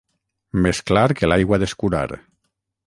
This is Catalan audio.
Més clar que l'aigua d'escurar.